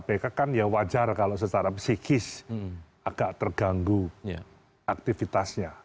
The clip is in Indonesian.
kpk kan ya wajar kalau secara psikis agak terganggu aktivitasnya